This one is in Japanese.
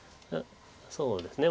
そうですね